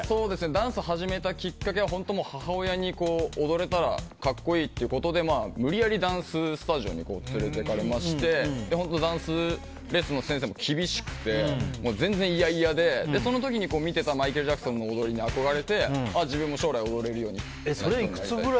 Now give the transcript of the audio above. ダンスを始めたきっかけは母親に、踊れたら格好いいということで無理やりダンススタジオに連れていかれまして本当、ダンスレッスンの先生も厳しくて、全然嫌々でその時に見ていたマイケル・ジャクソンの踊りに憧れて、自分も将来踊れるようになりたいなって。